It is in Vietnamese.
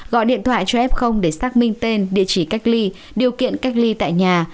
gọi điện thoại cho f để xác minh tên địa chỉ cách ly điều kiện cách ly tại nhà